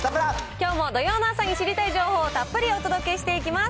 きょうも土曜の朝に知りたい情報をたっぷりお届けしていきます。